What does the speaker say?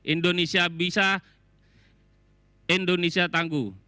indonesia bisa indonesia tangguh